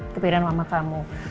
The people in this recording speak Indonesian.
kepikiran mama kamu